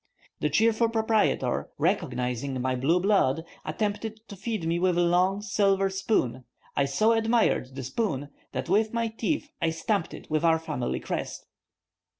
The cheerful proprietor, recognizing my blue blood, attempted to feed me with a long, silver spoon; I so admired the spoon that with my teeth I stamped it with our family crest.